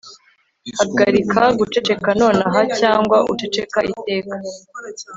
Hagarika guceceka nonaha cyangwa uceceke iteka